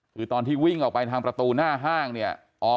คือตอนที่วิ่งออกไปทางประตูหน้าห้างเนี่ย